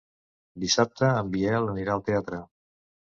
Dissabte en Biel anirà al teatre.